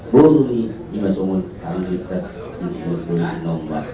buru ni ingasomun tanggit dan suruhin anongba